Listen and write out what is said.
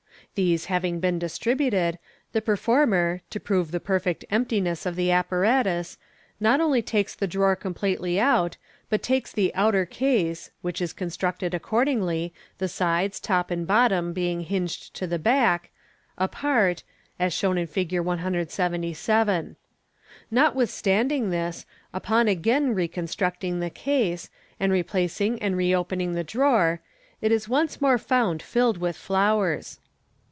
These having been distributed, the performer, to prove the perfect emptiness of the apparatus, not only takes the drawer completely out, but takes the outer case (which is constructed accordingly, the sides, top, and bottom being hinged to the back) apart, as shown in Fig. 177. Notwithstanding this, upon again reconstructing the case, and replacing and reopening the drawer, it is once more found filled with flowers.